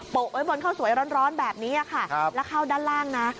ไว้บนข้าวสวยร้อนแบบนี้ค่ะแล้วเข้าด้านล่างนะ